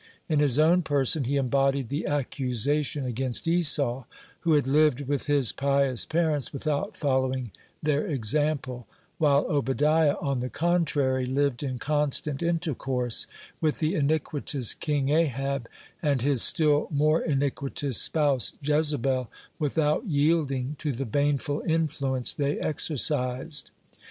In his own person he embodied the accusation against Esau, who had lived with his pious parents without following their example, while Obadiah, on the contrary, lived in constant intercourse with the iniquitous King Ahab and his still more iniquitous spouse Jezebel without yielding to the baneful influence they exercised.